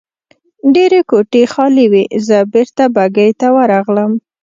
ډېرې کوټې خالي وې، زه بېرته بګۍ ته ورغلم.